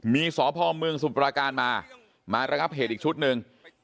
มีสพเมืองสุปราการมามาระงับเหตุอีกชุดหนึ่ง